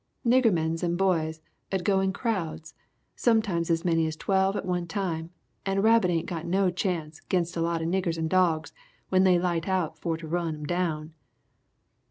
Nigger mens and boys 'ud go in crowds, sometimes as many as twelve at one time, and a rabbit ain't got no chance 'ginst a lot of niggers and dogs when they light out for to run 'im down!